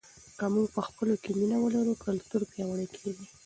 که موږ په خپلو کې مینه ولرو کلتور پیاوړی کیږي.